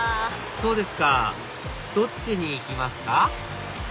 そうですかどっちに行きますか？